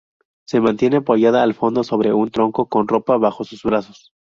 Se mantiene apoyada al fondo sobre un tronco con ropa bajo sus brazos.